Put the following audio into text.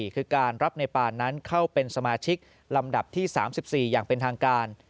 คือการรับในปานนั้นเข้าเป็นสมาชิกลำดับที่๓๔อย่างเป็นทางการ